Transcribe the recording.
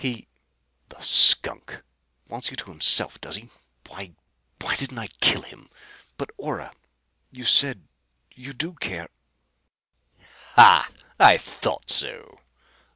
He " "The skunk! Wants you himself, does he? Why, why didn't I kill him? But Ora, you said you do care " "Ha! I thought so!"